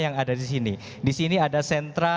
yang ada di sini di sini ada sentra